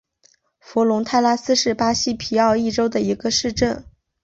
弗龙泰拉斯是巴西皮奥伊州的一个市镇。